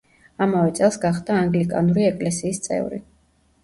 ამავე წელს გახდა ანგლიკანური ეკლესიის წევრი.